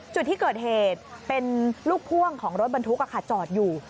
จุดที่เกิดเหตุเป็นลูกพ่วงของรถบรรทุกจอดอยู่